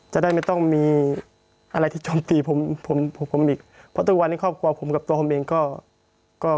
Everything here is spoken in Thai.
จะได้ไม่ต้องมีอะไรที่จมตีผมผมอีกเพราะทุกวันนี้ครอบครัวผมกับตัวผมเองก็ก็